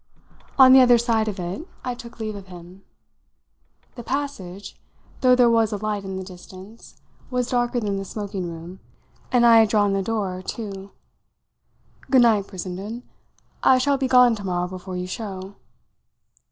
On the other side of it I took leave of him. The passage, though there was a light in the distance, was darker than the smoking room, and I had drawn the door to. "Good night, Brissenden. I shall be gone to morrow before you show."